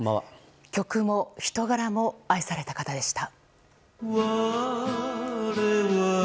曲も人柄も愛された方でした。